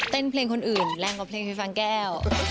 เพลงคนอื่นแรงกว่าเพลงไปฟังแก้ว